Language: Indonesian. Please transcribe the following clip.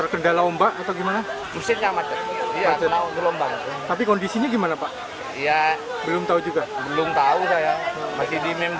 belum tahu sayang masih di mimbo tuh